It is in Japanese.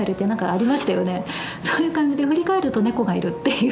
そういう感じで振り返ると猫がいるっていう。